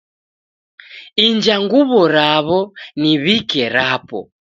Inja nguw'o raw'o niw'ike rapo